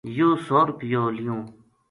یوہ سو رُپیو لیوں